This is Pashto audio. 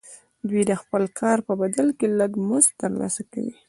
دوی د خپل کار په بدل کې لږ مزد ترلاسه کوي